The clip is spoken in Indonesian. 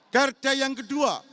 garda yang kedua